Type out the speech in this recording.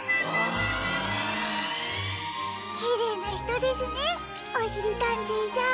きれいなひとですねおしりたんていさん。